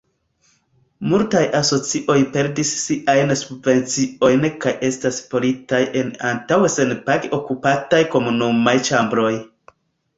Multaj asocioj perdis siajn subvenciojn kaj estas pelitaj el antaŭe senpage okupataj komunumaj ĉambroj.